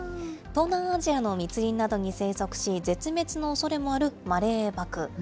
東南アジアの密林などに生息し、絶滅のおそれもあるマレーバク。